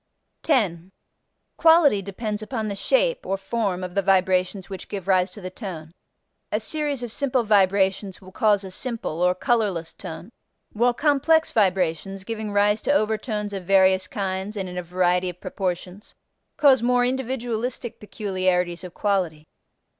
10. Quality depends upon the shape (or form) of the vibrations which give rise to the tone. A series of simple vibrations will cause a simple (or colorless) tone, while complex vibrations (giving rise to overtones of various kinds and in a variety of proportions) cause more individualistic peculiarities of quality.